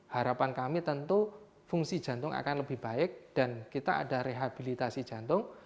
harapan kami tentu fungsi jantung akan lebih baik dan kita ada rehabilitasi jantung